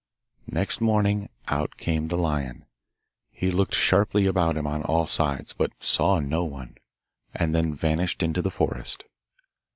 Next morning out came the lion. He looked sharply about him on all sides, but saw no one, and then vanished into the forest.